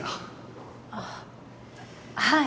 あっはい。